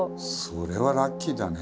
それはラッキーだね。